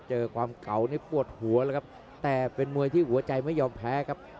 เจอความเก่านี่ปวดหัวแล้วครับแต่เป็นมวยที่หัวใจไม่ยอมแพ้ครับ